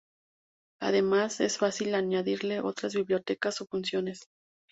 Además es fácil añadirle otras bibliotecas o funciones.